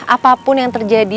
apapun yang terjadi